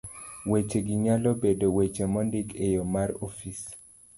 Wechegi nyalo bedo weche mondik e yo ma mar ofis